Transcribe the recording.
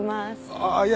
あっいや